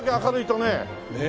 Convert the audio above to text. ねえ。